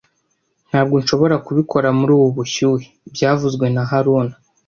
Ntabwo nshobora kubikora muri ubu bushyuhe byavuzwe na haruna